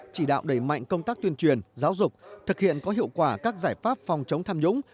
chỉ đạo đẩy mạnh công tác tuyên truyền giáo dục thực hiện có hiệu quả các giải pháp phòng chống tham nhũng